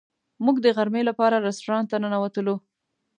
موږ د غرمې لپاره رسټورانټ ته ننوتلو.